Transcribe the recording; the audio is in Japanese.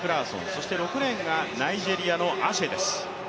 そして６レーンがナイジェリアのアシェです。